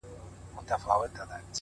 عجب راگوري د خوني سترگو څه خون راباسـي!!